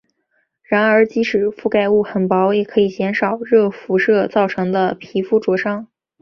然而即使遮盖物很薄也可以减少热辐射造成的皮肤灼伤。